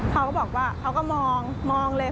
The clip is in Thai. เขาก็บอกว่าเขาก็มองมองเลย